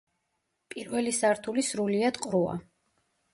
პირველი სართული სრულიად ყრუა.